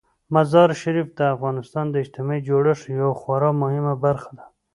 مزارشریف د افغانستان د اجتماعي جوړښت یوه خورا مهمه برخه ده.